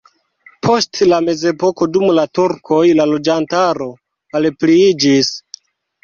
Post la mezepoko dum la turkoj la loĝantaro malpliiĝis.